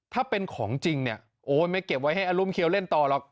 ถ้าเป็นของจริงเนี่ยโอ๊ยไม่เก็บไว้ให้อรุมเคี้ยวเล่นต่อหรอก